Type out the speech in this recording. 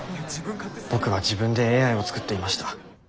僕は自分でＡＩを作っていました。